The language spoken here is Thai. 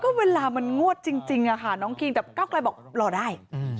ก็เวลามันงวดจริงอะค่ะน้องคิงแต่ก้าวกลายบอกรอได้